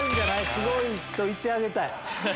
すごいと言ってあげたい。